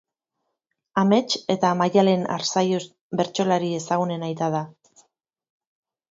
Amets eta Maddalen Arzallus bertsolari ezagunen aita da.